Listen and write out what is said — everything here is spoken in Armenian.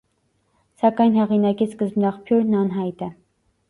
Սակայն հեղինակի սկզբնաղբյուրն անհայտ է։